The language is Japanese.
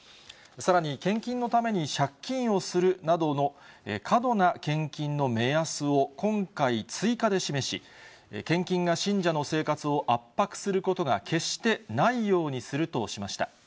さらに、献金のために借金をするなどの過度な献金の目安を今回、追加で示し、献金が信者の生活を圧迫することが決してないようにするとしました。